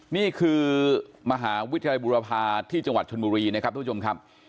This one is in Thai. นี่คือมหาวิทยาลัยบุรพาที่จังหวัดชนบุรีนะครับทุกผู้ชมครับ